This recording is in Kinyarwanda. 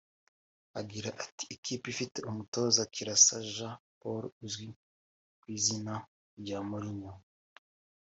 Agira ati “ikipe ifite umutoza Kalisa Jean Paul uzwi ku izina rya Morinnyo